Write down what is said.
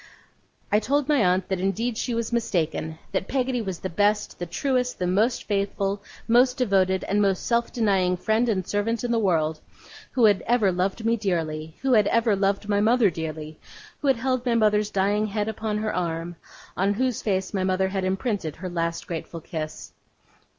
I told my aunt that indeed she was mistaken. That Peggotty was the best, the truest, the most faithful, most devoted, and most self denying friend and servant in the world; who had ever loved me dearly, who had ever loved my mother dearly; who had held my mother's dying head upon her arm, on whose face my mother had imprinted her last grateful kiss.